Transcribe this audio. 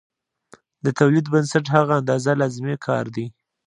د تولید بنسټ هغه اندازه لازمي کار دی